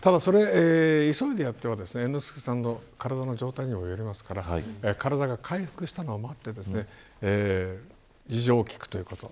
急いでやっては、猿之助さんの体の状態にもよりますから体が回復するのを待って事情を聞くということ。